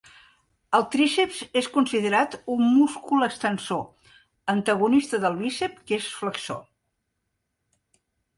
El tríceps és considerat un múscul extensor, antagonista del bíceps, que és flexor.